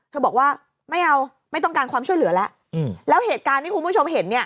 บอกว่าไม่เอาไม่ต้องการความช่วยเหลือแล้วแล้วเหตุการณ์ที่คุณผู้ชมเห็นเนี่ย